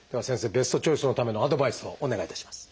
ベストチョイスのためのアドバイスをお願いいたします。